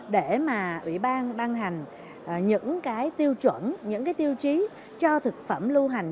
đang ban hành những cái tiêu chuẩn những cái tiêu chí cho thực phẩm lưu hành